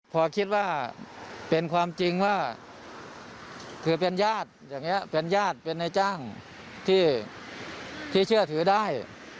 พอคิดว่าเป็นความจริงว่าถือเป็นญาติอย่างนี้เป็นญาติเป็นนายจ้างที่เชื่อถือได้